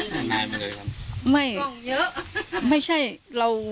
กล้องเยอะ